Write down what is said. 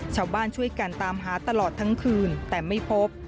ชาวบ้านช่วยกันตามหาตลอดทั้งคืนแต่ไม่พบ